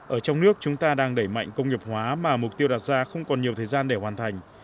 ở trong nước chúng ta đang đẩy mạnh công nghiệp hóa mà mục tiêu đặt ra không còn nhiều thời gian để hoàn thành